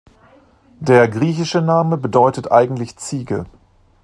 Der griechische Name bedeutet eigentlich „Ziege“.